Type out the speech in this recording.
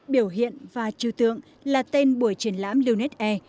biểu hiện và trừ tượng là tên buổi triển lãm lunet air